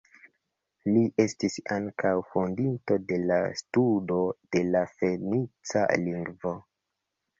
Li estis ankaŭ fondinto de la studo de la fenica lingvo.